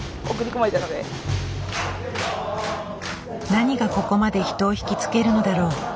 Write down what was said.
何がここまで人を惹きつけるのだろう？